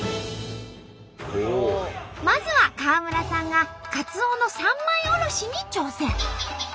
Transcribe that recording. まずは川村さんがカツオの三枚おろしに挑戦。